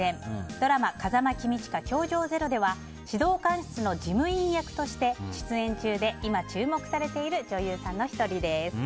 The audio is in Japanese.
ドラマ「風間公親‐教場０‐」では指導官室の事務員役として出演中で今、注目されている女優さんの１人です。